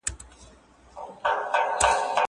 کېدای سي د کتابتون کتابونه سخت وي؟